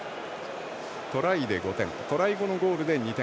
トライで５点トライ後のゴールで２点。